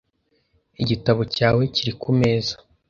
Igitabo cyawe kiri kumeza .